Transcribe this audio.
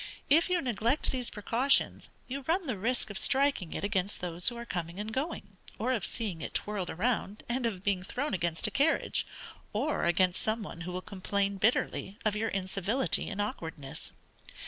If you neglect these precautions, you run the risk of striking it against those who are coming and going, or of seeing it twirled round, and of being thrown against a carriage, or against some one who will complain bitterly of your incivility and awkwardness.